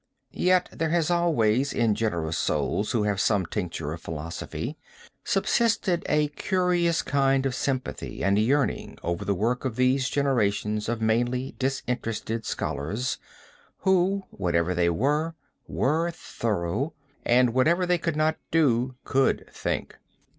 "Yet there has always in generous souls who have some tincture of philosophy, subsisted a curious kind of sympathy and yearning over the work of these generations of mainly disinterested scholars, who, whatever they were, were thorough, and whatever they could not do, could think.